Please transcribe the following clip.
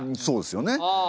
そうですよね。